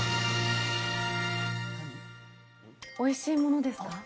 おいしいものですか？